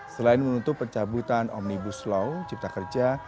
selain menuntut pencabutan omnibus law cipta kerja